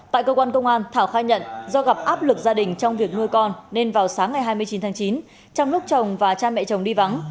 tại cơ quan công an thảo khai nhận do gặp áp lực gia đình trong việc nuôi con nên vào sáng ngày hai mươi chín tháng chín trong lúc chồng và cha mẹ chồng đi vắng